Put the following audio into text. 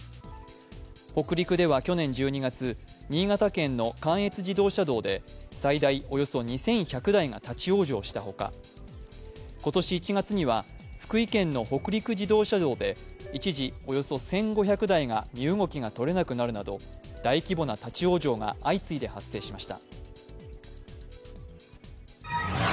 北陸では去年１２月新潟県の関越自動車道で最大およそ２１００台が立往生したほか、今年１月には福井県の北陸自動車道で一時およそ１５００台が身動きがとれなくなるなど大規模な立往生が相次いで発生しました。